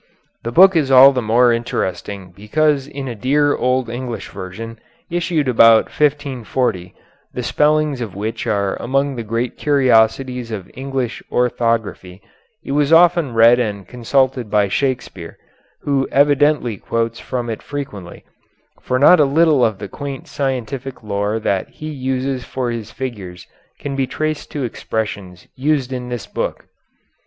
The book is all the more interesting because in a dear old English version, issued about 1540, the spellings of which are among the great curiosities of English orthography, it was often read and consulted by Shakespeare, who evidently quotes from it frequently, for not a little of the quaint scientific lore that he uses for his figures can be traced to expressions used in this book.